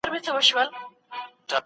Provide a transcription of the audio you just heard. بهرنیو ژبو زده کړي مرکزونه ډیر سوي وو.